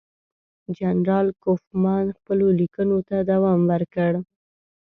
جنرال کوفمان خپلو لیکونو ته دوام ورکړ.